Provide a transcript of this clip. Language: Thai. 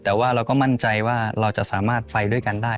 แต่ว่าเราก็มั่นใจว่าเราจะสามารถไฟด้วยกันได้